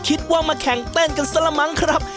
คิดว่ามาแข่งเต้นกันซะละมั้งครับ